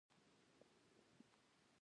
ځغاسته د قوت زیږنده ده